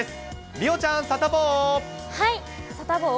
梨央ちゃん、サタボー。